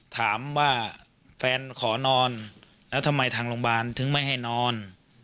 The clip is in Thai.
ถามว่าแฟนขอนอนแล้วทำไมทางโรงพยาบาลถึงไม่ให้นอน